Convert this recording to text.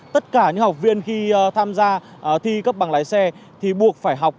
tất cả những học viên khi tham gia thi cấp bằng lái xe thì buộc phải học